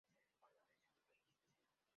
La sede del condado es Weiser.